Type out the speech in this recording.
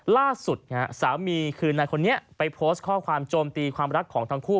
ล่าสุดสามีคือนายคนนี้ไปโพสต์ข้อความโจมตีความรักของทั้งคู่